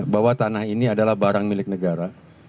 bahwa tanah ini adalah barang milik negara